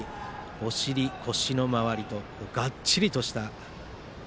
お尻、腰の周りとがっちりとした。